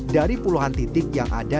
dari puluhan titik yang ada